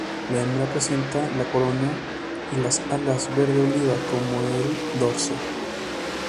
La hembra presenta la corona y las alas verde oliva como el dorso.